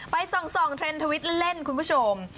ส่องเทรนด์ทวิตเล่นคุณผู้ชม